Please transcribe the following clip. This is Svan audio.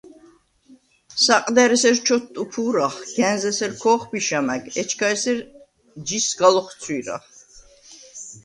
საყდა̈რ ესერ ჩოთტუფუ̄რახ, გა̈ნზ ესერ ქო̄ხბიშა მა̈გ, ეჩქა ესერ ჯი სგა ლოხცვი̄რახ.